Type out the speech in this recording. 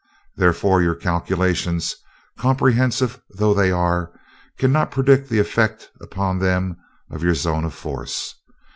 Therefore your calculations, comprehensive though they are, cannot predict the effect upon them of your zone of force.